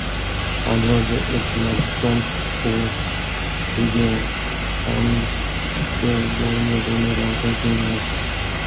Han hörde uppmärksamt på, i det han då och då gjorde några anteckningar.